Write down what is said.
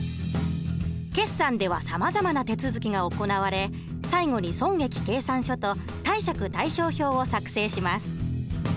決算ではさまざまな手続きが行われ最後に損益計算書と貸借対照表を作成します。